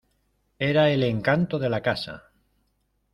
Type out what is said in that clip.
Era el encanto de la casa.